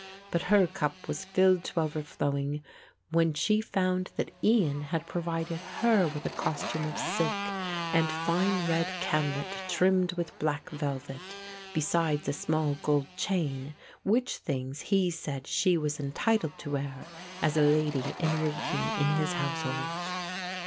But her cup was filled to overflowing when she found that Ian had provided her with a costume of silk and fine red camlet trimmed with black velvet, besides a small gold chain, which things he said she was entitled to wear as a lady in waiting in his household.